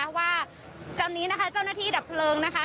ว่าว่าเจ้าน่าหน้าธีดับเผลิงนะคะ